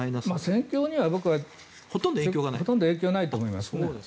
戦況には僕はほとんど影響ないと思います。